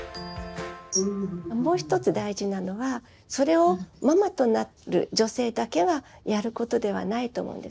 もう一つ大事なのはそれをママとなる女性だけがやることではないと思うんです。